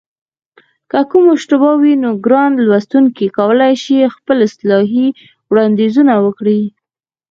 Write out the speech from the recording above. که کومه اشتباه وي نو ګران لوستونکي کولای شي خپل اصلاحي وړاندیزونه وکړي